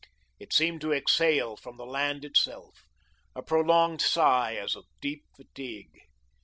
It seemed to exhale from the land itself, a prolonged sigh as of deep fatigue.